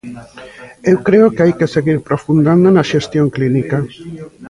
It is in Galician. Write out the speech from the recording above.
Eu creo que hai que seguir profundando na xestión clínica.